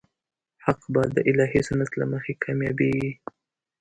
حق به د الهي سنت له مخې کامیابېږي.